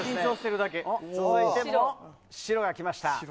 続いても白が来ました。